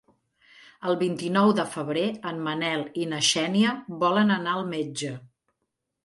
El vint-i-nou de febrer en Manel i na Xènia volen anar al metge.